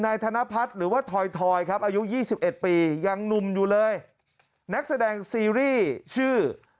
ธนพัฒน์หรือว่าทอยครับอายุ๒๑ปียังหนุ่มอยู่เลยนักแสดงซีรีส์ชื่อ